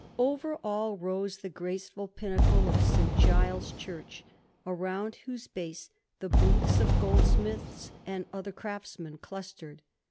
Over all rose the graceful pinnacle of St. Giles's Church, around whose base the booths of goldsmiths and other craftsmen clustered.